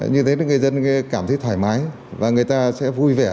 như thế là người dân cảm thấy thoải mái và người ta sẽ vui vẻ